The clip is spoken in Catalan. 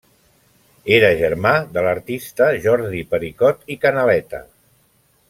Era germà de l'artista Jordi Pericot i Canaleta.